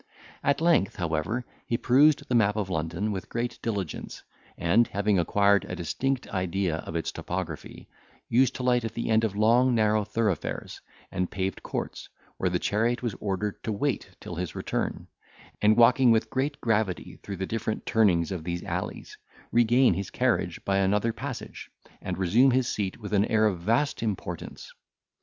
At length, however, he perused the map of London with great diligence, and, having acquired a distinct idea of its topography, used to alight at the end of long narrow thoroughfares and paved courts, where the chariot was ordered to wait till his return; and, walking with great gravity through the different turnings of these alleys, regain his carriage by another passage, and resume his seat with an air of vast importance.